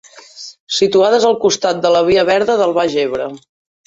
Situades al costat de la Via Verda del Baix Ebre.